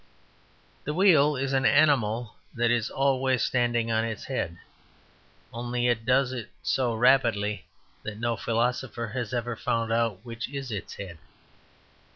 The wheel is an animal that is always standing on its head; only "it does it so rapidly that no philosopher has ever found out which is its head."